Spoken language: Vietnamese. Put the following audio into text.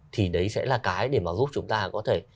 thì đấy sẽ là cái để mà giúp chúng ta có thể